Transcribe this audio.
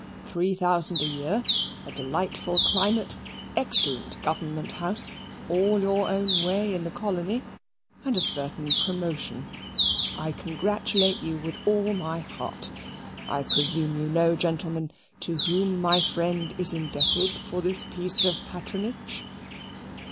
Three thousand a year, delightful climate, excellent government house, all your own way in the Colony, and a certain promotion. I congratulate you with all my heart. I presume you know, gentlemen, to whom my friend is indebted for this piece of patronage?"